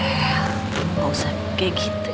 el gak usah kayak gitu ya